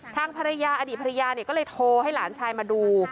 ทางภรรยาอดีตภรรยาเนี่ยก็เลยโทรให้หลานชายมาดู